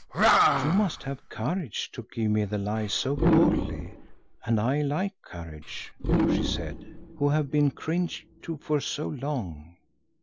"You must have courage to give me the lie so boldly—and I like courage," she said, "who have been cringed to for so long.